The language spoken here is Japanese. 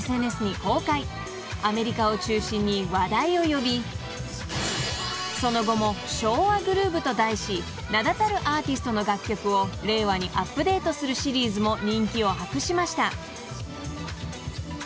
［アメリカを中心に話題を呼びその後も『昭和グルーヴ』と題し名だたるアーティストの楽曲を令和にアップデートするシリーズも人気を博しました］